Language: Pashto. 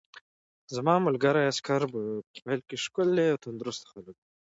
زما ملګري عسکر په پیل کې ښکلي او تندرست خلک وو